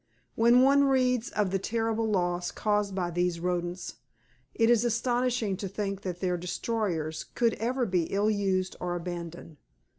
When one reads of the terrible loss caused by these rodents, it is astonishing to think that their destroyers could ever be ill used or abandoned.